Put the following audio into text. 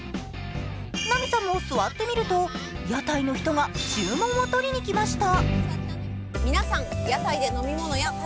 ナミさんも座ってみると、屋台の人が注文をとりに来ました。